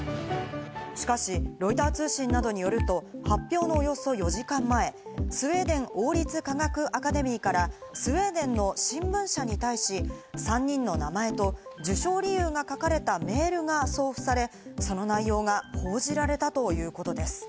しかしロイター通信などによると、発表のおよそ４時間前、スウェーデン王立科学アカデミーからスウェーデンの新聞社に対し、３人の名前と受賞理由が書かれたメールが送付され、その内容が報じられたということです。